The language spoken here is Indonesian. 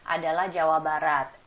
adalah jawa barat